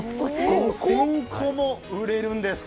５０００個も売れるんです。